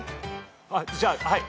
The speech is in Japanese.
あっじゃあはい。